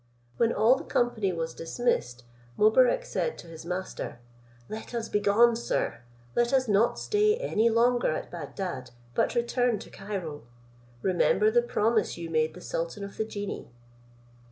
When all the company was dismissed Mobarec said to his master, "Let us begone, sir, let us not stay any longer at Bagdad, but return to Cairo: remember the promise you made the sultan of the genii."